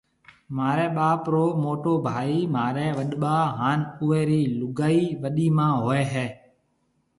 مهاريَ ٻاپ رو موٽو ڀائِي مهاريَ وڏٻا هانَ اُئي رِي لُگائِي وڏِي امان هوئيَ هيَ۔